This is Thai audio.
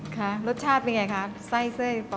ค่ะรสชาติเป็นยังไงคะไส้เส้นป่อเปี๊ยะทอด